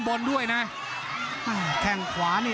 ภูตวรรณสิทธิ์บุญมีน้ำเงิน